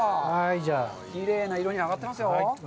きれいな色に揚がってますよ。